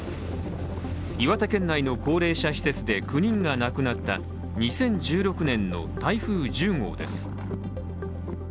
岩手県内の高齢者施設で９人が亡くなった２０１６年の台風１０号です。